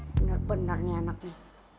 bener bener nih anaknya